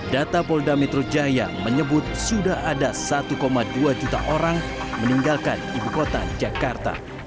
data polda metro jaya menyebut sudah ada satu dua juta orang meninggalkan ibu kota jakarta